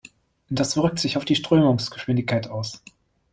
Das wirkt sich auf die Strömungsgeschwindigkeit aus.